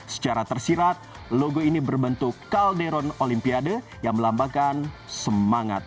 secara tersirat logo ini berbentuk kalderon olimpiade yang melambangkan semangat